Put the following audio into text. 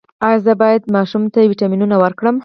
ایا زه باید ماشوم ته ویټامینونه ورکړم؟